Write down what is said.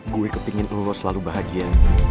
gue kepingin lo selalu bahagia